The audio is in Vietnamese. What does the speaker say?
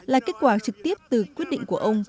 là kết quả trực tiếp từ quyết định của ông